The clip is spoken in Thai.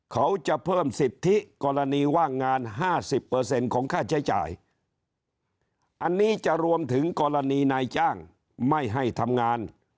เขาจะเพิ่มสิทธิกรณีว่างงาน๕๐ของค่าใช้จ่ายอันนี้จะรวมถึงกรณีนายจ้างไม่ให้ทำงาน